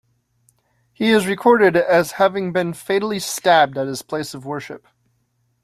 He is recorded as having been fatally stabbed at his place of worship.